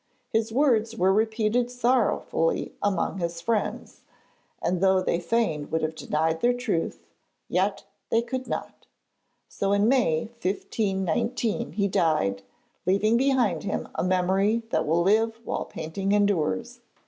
His words were repeated sorrowfully among his friends, and though they fain would have denied their truth, yet they could not. So in May 1519 he died, leaving behind him a memory that will live while painting endures.